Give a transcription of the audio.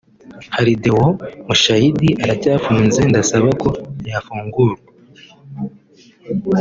hari Deo Mushayidi aracyafunze ndasaba ko yafungurwa